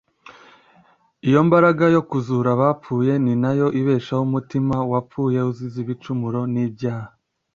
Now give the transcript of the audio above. Iyo mbaraga yo kuzura abapfuye ni nayo ibeshaho umutima “wapfuye uzize ibicumuro n’ibyaha